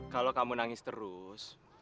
kalau kamu nangis terus